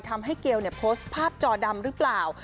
เกลโพสต์ภาพจอดำหรือเปล่า